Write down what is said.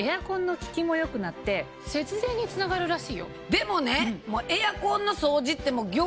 でもね。